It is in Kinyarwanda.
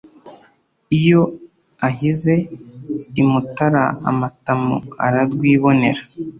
iyo ahize i mutara amatamu ararwibonera